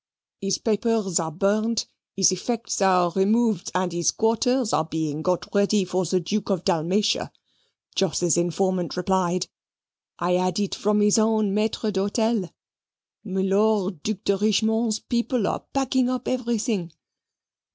"His papers are burned, his effects are removed, and his quarters are being got ready for the Duke of Dalmatia," Jos's informant replied. "I had it from his own maitre d'hotel. Milor Duc de Richemont's people are packing up everything.